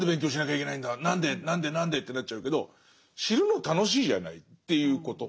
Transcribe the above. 何で何で何でってなっちゃうけど知るの楽しいじゃないっていうこと。